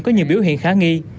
có nhiều biểu hiện khá nghi